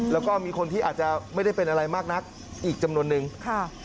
แล้วก็มีคนที่อาจจะไม่ได้เป็นอะไรมากนักอีกจำนวนนึงค่ะ